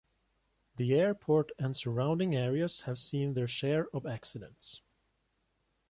The airport and surrounding areas have seen their share of accidents.